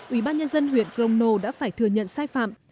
ủy ban nhân dân huyện crono đã phải thừa nhận sai phạm